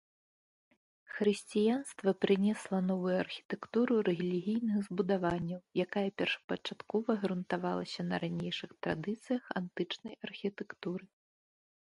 Хрысціянства прынесла новую архітэктуру рэлігійных збудаванняў, якая першапачаткова грунтавалася на ранейшых традыцыях, антычнай архітэктуры.